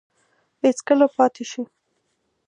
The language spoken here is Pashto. بې څکلو پاته شي